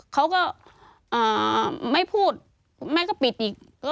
เขาก็ไม่พูดแม่ก็ปิดอีก